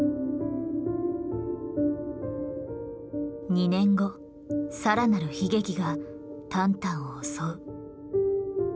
２年後さらなる悲劇がタンタンを襲う。